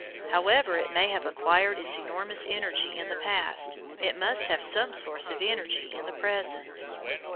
However it may have acquired its enormous energy in the past, it must have some source of energy in the present.